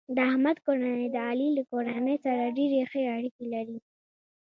د احمد کورنۍ د علي له کورنۍ سره ډېرې ښې اړیکې لري.